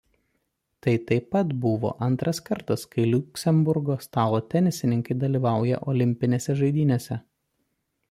Tai taip pat buvo antras kartas kai Liuksemburgo stalo tenisininkai dalyvauja olimpinėse žaidynėse.